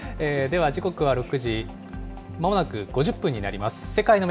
では時刻は６時、まもなく５０分になります。